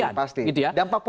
dampak politiknya apa